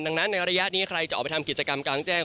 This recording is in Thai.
ดังนั้นในระยะนี้ใครจะออกไปทำกิจกรรมกลางแจ้ง